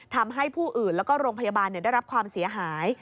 ทำให้ผู้อื่นแล้วก็โรงพยาบาลได้รับความเสียหาย